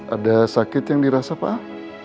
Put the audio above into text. ada sakit yang dirasa pak